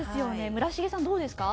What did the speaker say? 村重さんどうですか？